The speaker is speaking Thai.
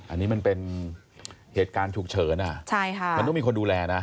อันนี้มันเป็นเหตุการณ์ฉุกเฉินมันต้องมีคนดูแลนะ